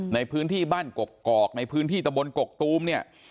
ในพื้นที่บ้านกกอกในพื้นที่ตะบนกกตูมเนี่ย